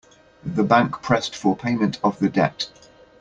The bank pressed for payment of the debt.